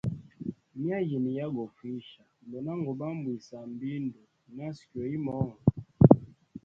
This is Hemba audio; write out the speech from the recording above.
Myaa yina yogofihisha, ndona ngubamba wi samba indu nasi kyoimo.